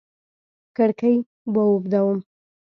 کړکۍ و اوبدم